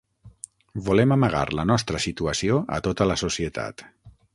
Volem amagar la nostra situació a tota la societat.